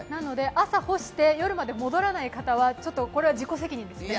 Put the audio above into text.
朝、干して夜まで戻らない方は自己責任ですね。